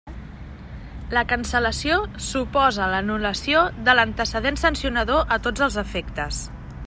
La cancel·lació suposa l'anul·lació de l'antecedent sancionador a tots els efectes.